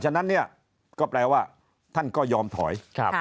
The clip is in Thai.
ฉะนั้นเนี่ยก็แปลว่าท่านก็ยอมถอย